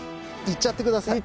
いっちゃってください。